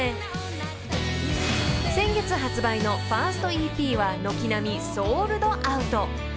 ［先月発売のファーストＥＰは軒並みソールドアウト］